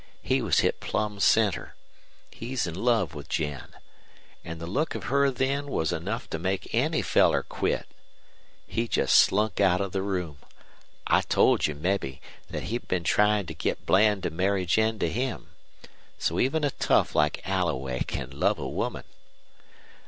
He was hit plumb center. He's in love with Jen. An' the look of her then was enough to make any feller quit. He jest slunk out of the room. I told you, mebbe, thet he'd been tryin' to git Bland to marry Jen to him. So even a tough like Alloway can love a woman!